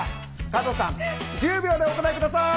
加藤さん、１０秒でお答えください！